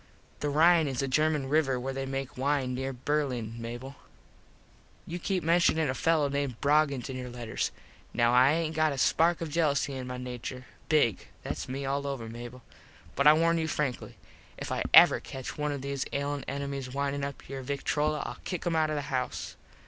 The Rine is a German river where they make wine near Berlin, Mable. You keep menshuning a fello named Broggins in your letters. Now I aint got a spark of jelusy in my nature. Big. Thats me all over, Mable. But I warn you frankly. If I ever catch one of those ailin enemies windin up your victrola Ill kick him out of the house.